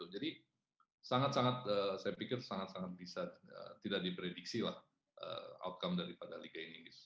jadi saya pikir sangat sangat bisa tidak diprediksi outcome daripada liga inggris